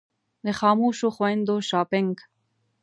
د خاموشو خویندو شاپنګ.